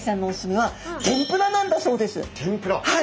はい！